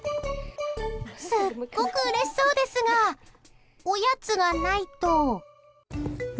すっごくうれしそうですがおやつがないと。